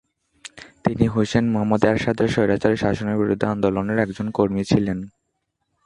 তিনি হুসেইন মোহাম্মদ এরশাদের স্বৈরাচারী শাসনের বিরুদ্ধে আন্দোলনের একজন কর্মী ছিলেন।